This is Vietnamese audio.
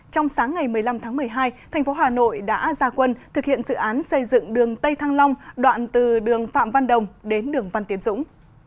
trong sáng ngày một mươi năm tháng một mươi hai thành phố hà nội đã ra quân thực hiện dự án xây dựng đường tây thăng long đoạn từ đường phạm văn đồng đến đường văn tiến dũng